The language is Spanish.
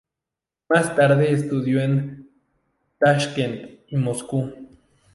Más tarde estudió en Tashkent y Moscú.